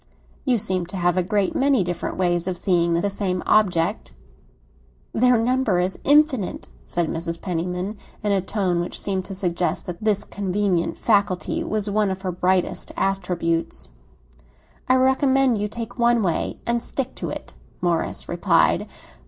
"You seem to have a great many different ways of seeing the same object." "Their number is infinite!" said Mrs. Penniman, in a tone which seemed to suggest that this convenient faculty was one of her brightest attributes. "I recommend you to take one way and stick to it," Morris replied.